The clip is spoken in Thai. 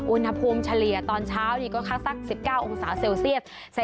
อุณหภูมิเฉลี่ยตอนเช้านี่ก็คักสัก๑๙องศาเซลเซียส